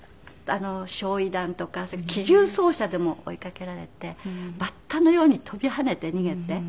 焼夷弾とか機銃掃射でも追いかけられてバッタのように飛び跳ねて逃げて。